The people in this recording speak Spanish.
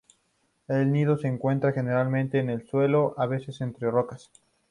El nido se encuentra generalmente en el suelo; a veces entre rocas.